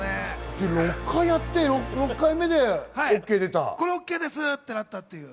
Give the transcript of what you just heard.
６回やって、６回目でＯＫ出これＯＫですってなったっていう。